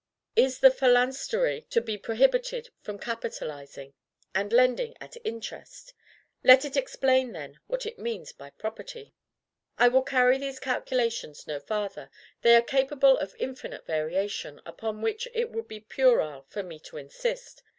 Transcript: Is the phalanstery to be prohibited from capitalizing and lending at interest? Let it explain, then, what it means by property. I will carry these calculations no farther. They are capable of infinite variation, upon which it would be puerile for me to insist.